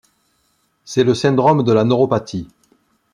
C'est le syndrome de la neuropathie.